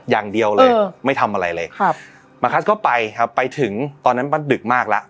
อย่างเดียวเลยไม่ทำอะไรเลยครับมาคัสก็ไปครับไปถึงตอนนั้นมันดึกมากแล้ว